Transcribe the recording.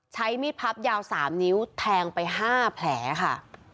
ใช้มีดพับยาว๓นิ้วแทงไป๕แผลค่ะ